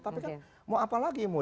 tapi kan mau apa lagi mau